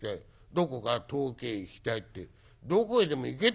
どこか遠くへ行きたい』ってどこへでも行けってんですよ。